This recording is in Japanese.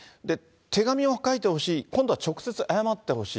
手紙を書いてほしい、今度は直接謝ってほしい。